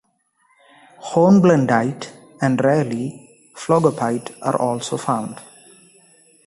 Hornblendite and, rarely phlogopite, are also found.